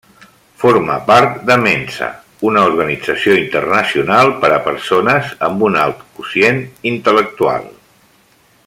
Forma part de mensa, una organització internacional per a persones amb un alt quocient intel·lectual.